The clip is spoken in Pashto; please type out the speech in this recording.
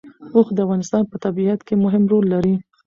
اوښ د افغانستان په طبیعت کې مهم رول لري.